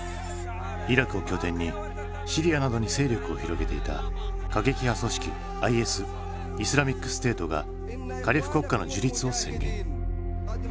イラクを拠点にシリアなどに勢力を広げていた過激派組織ＩＳ＝イスラミックステートがカリフ国家の樹立を宣言。